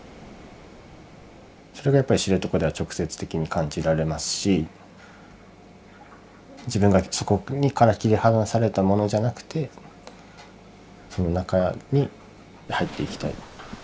それがやっぱり知床では直接的に感じられますし自分がそこから切り離されたものじゃなくてその中に入っていきたい。